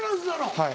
はい。